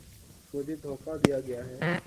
مجھے دھوکا دیا گیا ہے